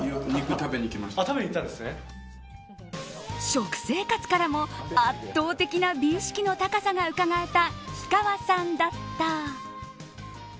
食生活からも圧倒的な美意識の高さがうかがえた氷川さんだった。